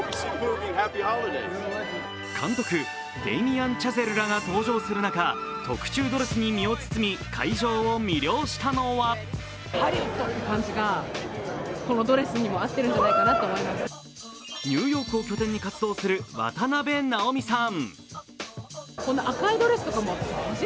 監督、デイミアン・チャゼルらが登場する中特注ドレスに身を包み会場を魅了したのはニューヨークを拠点に活動する渡辺直美さん。